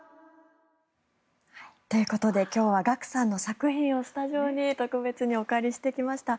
ということで今日はＧＡＫＵさんの作品をスタジオに特別にお借りしてきました。